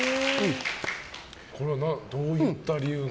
これは、どういった理由が？